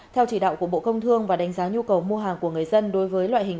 theo chỉ đạo của bộ công thương và đánh giá nhu cầu mua hàng của người dân đối với loại hình